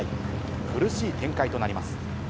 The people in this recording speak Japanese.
苦しい展開となります。